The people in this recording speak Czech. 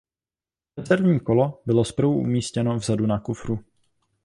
Rezervní kolo bylo zprvu umístěno vzadu na kufru.